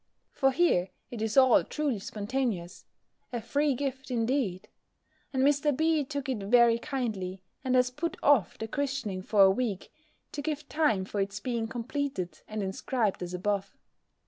For here it is all truly spontaneous A free gift indeed! and Mr. B. took it very kindly, and has put off the christening for a week, to give time for its being completed and inscribed as above.